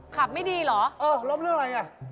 ขับไม่ดีเหรอเออล้มเรื่องอะไรอ่ะ